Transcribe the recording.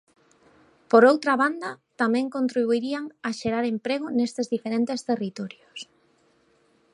Por outra banda, tamén contribuirían a xerar emprego nestes diferentes territorios.